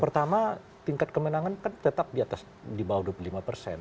pertama tingkat kemenangan tetap di bawah dua puluh lima persen